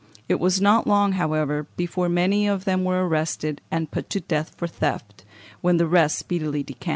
It was not long, however, before many of them were arrested and put to death for theft, when the rest speedily decamped.